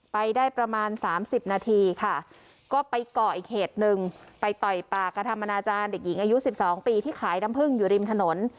ไปได้ประมาณ๓๐นาทีค่ะก็ไปเกาะอีกเหตุหนึ่งไปต่อยปากกระทำอนาจารย์เด็กหญิงอายุ๑๒ปีที่ขายน้ำพึ่งอยู่ริมถนน